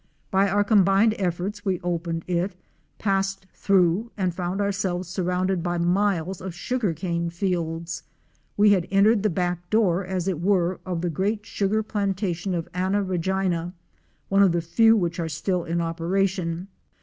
By our combined efforts we opened it, passed through and found ourselves surrounded by miles of sugar cane fields. We had entered the back door, as it were, of the great sugar plantation of Anna Regina, one of the few which are still in operation.